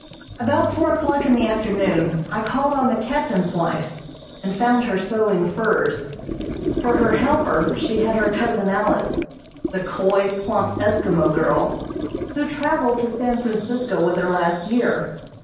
About four o'clock in the afternoon I called on the captain's wife, and found her sewing furs. For her helper she had her cousin Alice, the coy, plump Eskimo girl, who traveled to San Francisco with her last year.